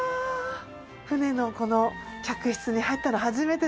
船の客室に入ったの初めてです。